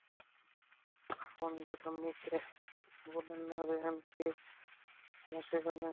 Phone dead, আম্মি কে বলেন না রেহান কে না শিখাতে।